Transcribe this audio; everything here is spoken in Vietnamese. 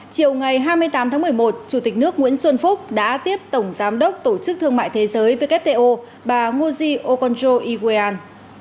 chiều ngày hai mươi tám tháng một mươi một chủ tịch nước nguyễn xuân phúc đã tiếp tổng giám đốc tổ chức thương mại thế giới wto bà ngozy okonjo iwayan